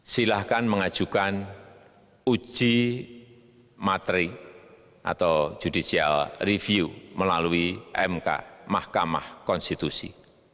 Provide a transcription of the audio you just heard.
silahkan mengajukan uji materi atau judicial review melalui mk mahkamah konstitusi